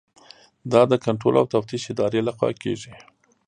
دا د کنټرول او تفتیش ادارې لخوا کیږي.